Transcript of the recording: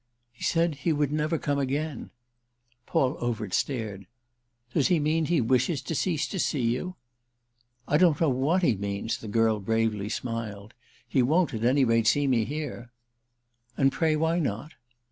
"He said he would never come again." Paul Overt stared. "Does he mean he wishes to cease to see you?" "I don't know what he means," the girl bravely smiled. "He won't at any rate see me here." "And pray why not?"